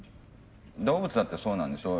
動物だってそうなんですよ。